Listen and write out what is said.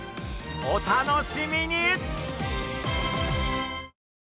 お楽しみに！